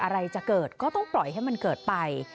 อะไรจะเกิดก็ต้องปล่อยให้มันเกิดไป